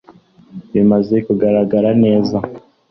bimaze kugaragara neza